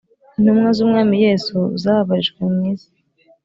intumwa z'umwami yesu zababarijwe mw isi;